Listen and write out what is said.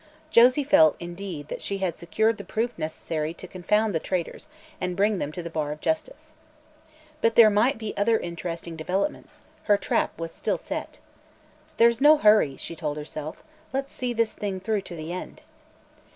Josie felt, indeed, that she had secured the proof necessary to confound the traitors and bring them to the bar of justice. But there might be other interesting developments; her trap was still set. "There's no hurry," she told herself. "Let's see this thing through to the end."